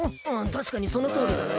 たしかにそのとおりだな。